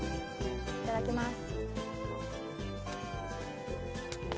いただきます。